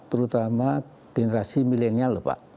terutama generasi milenial lho pak